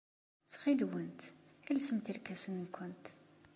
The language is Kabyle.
Ttxil-went, lsemt irkasen-nwent.